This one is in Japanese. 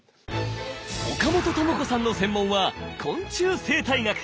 岡本朋子さんの専門は昆虫生態学！